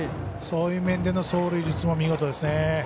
そういう面での走塁術も見事ですね。